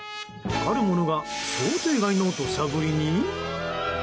あるものが想定外の土砂降りに？